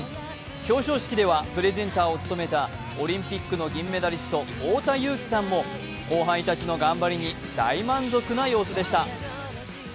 表彰式ではプレゼンターを務めたオリンピックの銀メダリスト、太田雄貴さんも後輩たちの頑張りに大満足な様子でした。